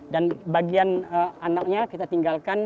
dan bagian anaknya kita tinggalkan